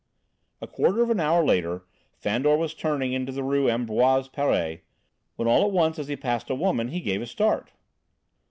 A quarter of an hour later Fandor was turning into the Rue Ambroise Paré, when all at once as he passed a woman he gave a start.